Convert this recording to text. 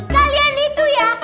kalian itu ya